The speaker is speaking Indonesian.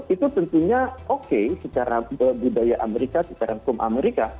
itu tentunya oke secara budaya amerika secara hukum amerika